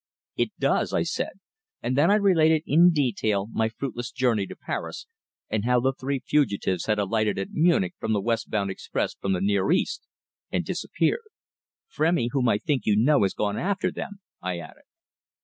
"It does," I said, and then I related in detail my fruitless journey to Paris, and how the three fugitives had alighted at Munich from the westbound express from the Near East, and disappeared. "Frémy, whom I think you know, has gone after them," I added.